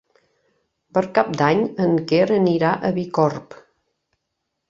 Per Cap d'Any en Quer anirà a Bicorb.